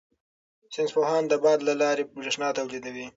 ساینس پوهان د باد له لارې بریښنا تولیدوي.